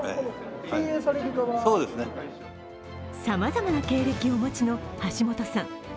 さまざまな経歴をお持ちの橋本さん。